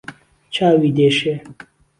چاوی دێشێ